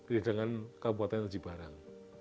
jadi dengan kabupaten ajibarang